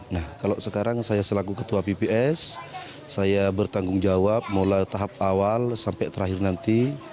nah kalau sekarang saya selaku ketua pps saya bertanggung jawab mulai tahap awal sampai terakhir nanti